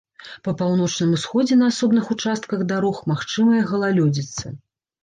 Па паўночным усходзе на асобных участках дарог магчымая галалёдзіца.